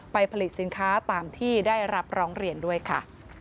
ผลิตสินค้าตามที่ได้รับร้องเรียนด้วยค่ะ